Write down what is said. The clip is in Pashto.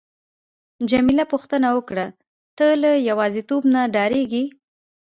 جميله پوښتنه وکړه: ته له یوازیتوب نه ډاریږې؟